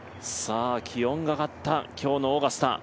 気温が上がった今日のオーガスタ。